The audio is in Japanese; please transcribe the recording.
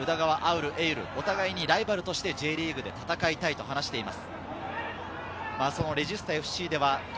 潤、瑛琉、お互いにライバルとしてＪリーグで戦いたいと話しています。